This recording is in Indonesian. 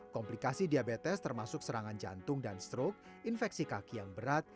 komplikasi diabetes termasuk serangan jantung dan stroke infeksi kaki yang berat